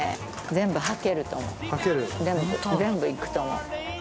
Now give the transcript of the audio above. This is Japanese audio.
全部全部いくと思う。